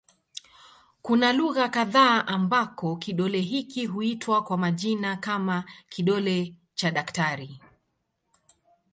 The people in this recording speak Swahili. Kuna lugha kadha ambako kidole hiki huitwa kwa majina kama "kidole cha daktari".